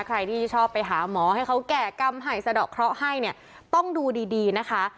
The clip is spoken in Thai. ใครที่ชอบไปหาหมอให้เขาแก่กรรมให้สะดอกเคราะห์ให้เนี่ยต้องดูดีดีนะคะ